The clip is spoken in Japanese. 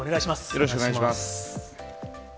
よろしくお願いします。